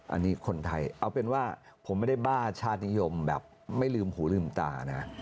อันนี้คนไทยเอาเป็นว่าผมไม่ได้บ้าชาตินิยมแบบไม่ลืมหูลืมตานะ